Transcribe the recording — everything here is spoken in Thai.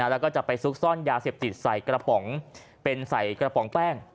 แล้วก็จะไปซุกซ่อนยาเสพติดใส่กระป๋องเป็นใส่กระป๋องแป้ง